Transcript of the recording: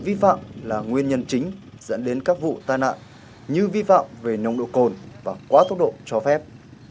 vi phạm là nguyên nhân chính dẫn đến các vụ tai nạn như vi phạm về nồng độ cồn và quá tốc độ cho phép